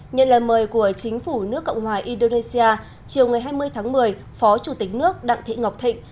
nhận lời mời của chính phủ nước cộng hòa indonesia chiều ngày hai mươi tháng một mươi phó chủ tịch nước đặng thị ngọc thịnh